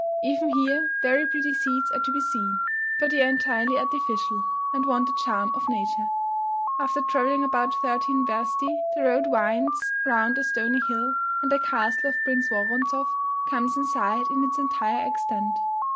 Even here very pretty seats are to be seen; but they are entirely artificial, and want the charm of nature. After travelling about thirteen wersti, the road winds round a stony hill, and the castle of Prince Woronzoff comes in sight in its entire extent.